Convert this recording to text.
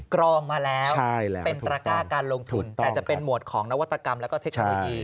กรองมาแล้วเป็นตระก้าการลงทุนแต่จะเป็นหมวดของนวัตกรรมแล้วก็เทคโนโลยี